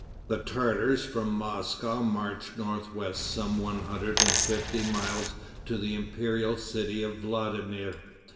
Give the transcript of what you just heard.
The Tartars from Moscow marched north west some one hundred and fifty miles to the imperial city of Vladimir.